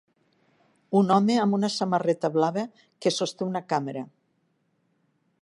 Un home amb una samarreta blava que sosté una càmera